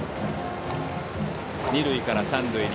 二塁から三塁へ。